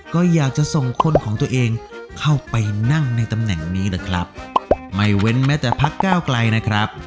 ก็อยากจะส่งคนของตัวเองเข้าไปนั่งในตำแหน่งนี้นะครับไม่เว้นแม้แต่พักก้าวไกลนะครับ